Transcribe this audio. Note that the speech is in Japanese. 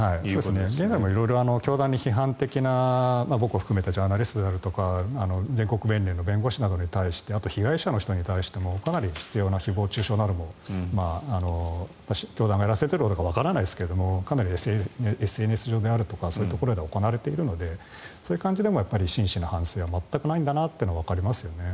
現在も教団に批判的な僕を含めてジャーナリストであるとか全国弁連の弁護士などに対してあとは被害者の人に対してもかなり執ような誹謗・中傷なども教団がやらせていることかわからないですがかなりＳＮＳ上であるとかそういうところで行われているのでそういう感じでも真摯な反省は全くないんだなというのがわかりますね。